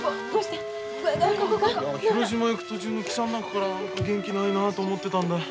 広島へ行く途中の汽車の中から元気ないなと思ってたんだ。